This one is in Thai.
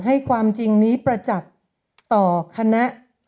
ให้ความจริงนี้ประจักษ์ต่อคณะ